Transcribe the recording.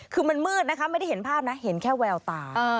คือมันมืดนะคะไม่ได้เห็นภาพนะเห็นแค่แววตา